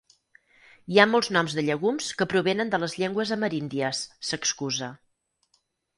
“Hi ha molts noms de llegums que provenen de les llengües ameríndies”, s'excusa.